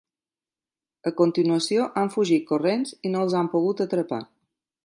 A continuació han fugit corrents i no els han pogut atrapar.